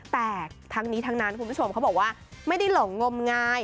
แต่ทั้งนี้ทั้งนั้นคุณผู้ชมเขาบอกว่าไม่ได้หลงงมงาย